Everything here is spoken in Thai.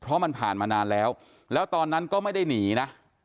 เพราะมันผ่านมานานแล้วแล้วตอนนั้นก็ไม่ได้หนีนะ